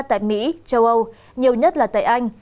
tại mỹ châu âu nhiều nhất là tại anh